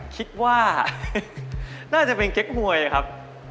คิดว่าน่าจะเป็นเก๊กหวยครับ